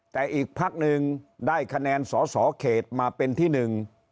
แต่อีกพักหนึ่งได้คะแนนสอสอเขตมาเป็นที่หนึ่ง